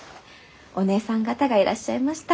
お姐さん方がいらっしゃいました。